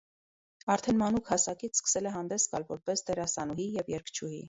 Արդեն մանուկ հասակից սկսել է հանդես գալ որպես դերասանուհի և երգչուհի։